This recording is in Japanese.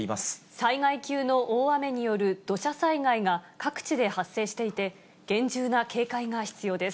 災害級の大雨による土砂災害が各地で発生していて、厳重な警戒が必要です。